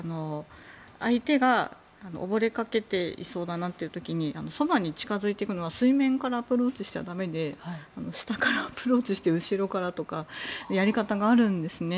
相手が溺れかけていそうだなという時にそばに近付いてくのは水面からアプローチしちゃ駄目で下からアプローチして後ろからとかやり方があるんですね。